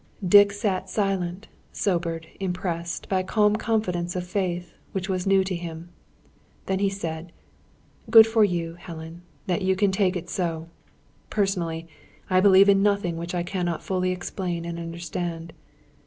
Dick sat silent; sobered, impressed, by a calm confidence of faith, which was new to him. Then he said: "Good for you, Helen, that you can take it so. Personally, I believe in nothing which I cannot fully explain and understand.